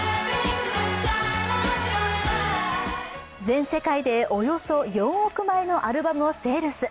全世界でおよそ４億枚のアルバムをセールス。